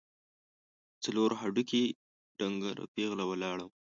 څلور هډوکي، ډنګره پېغله ولاړه وه.